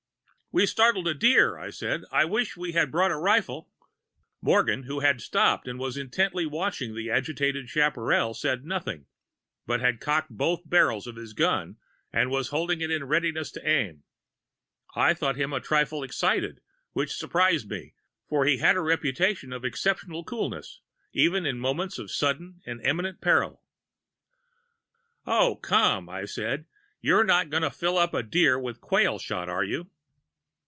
"'We've started a deer,' said. 'I wish we had brought a rifle.' "Morgan, who had stopped and was intently watching the agitated chaparral, said nothing, but had cocked both barrels of his gun, and was holding it in readiness to aim. I thought him a trifle excited, which surprised me, for he had a reputation for exceptional coolness, even in moments of sudden and imminent peril. "'O, come!' I said. 'You are not going to fill up a deer with quail shot, are you?'